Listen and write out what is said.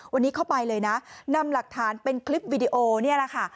วันนี้เข้าไปเลยนะนำหลักฐานเป็นคลิปวิดีโอนี่แหละค่ะ